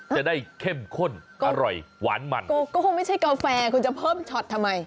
เข้มข้นอร่อยหวานมันก็คงไม่ใช่กาแฟคุณจะเพิ่มช็อตทำไม